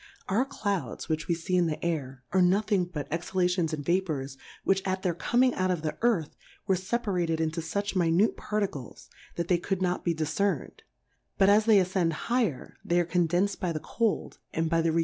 Our Clouds which we fee in the Air, are nothing but Exhalations and Vapours, which at their coming out of the Earth, were feparated into fuch minute Par ticles, that they could not be difcern'd ; but as they afcend higher, they are condens'd by the Cold, and by the re union Plurality ^/WORLDS.